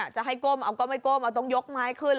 จะให้ก้มเอาก็ไม่ก้มเอาต้องยกไม้ขึ้น